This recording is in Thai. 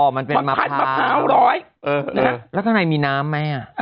หมาล่อยอ่าแล้วเท่านั้นมีน้ำไหมอ่ะ